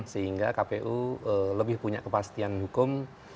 sehingga kpu lebih punya kepastian hukum